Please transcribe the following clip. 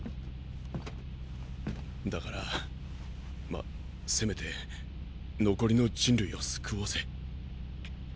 だからまぁせめて残りの人類を救おうぜ。